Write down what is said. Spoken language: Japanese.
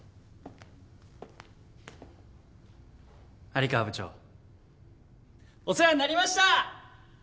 有川部長お世話になりました！